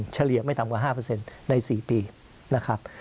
เฉลี่ยไม่ต่ำกว่า๕ใน๔ปีนะครับ